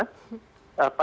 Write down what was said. kami hadir pak